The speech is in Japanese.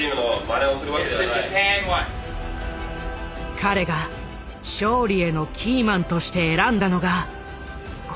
彼が勝利へのキーマンとして選んだのがこの男だった。